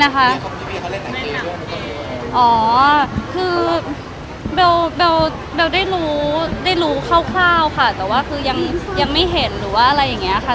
คือเบลอ๋อคือเบลได้รู้ได้รู้คร่าวค่ะแต่ว่าคือยังไม่เห็นหรือว่าอะไรอย่างนี้ค่ะ